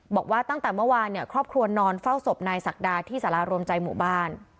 บอกว่าตั้งแต่เมื่อวานเนี่ยครอบครัวนอนเฝ้าศพนายศักดาที่สารารวมใจหมู่บ้าน